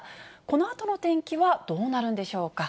このあとの天気はどうなるんでしょうか。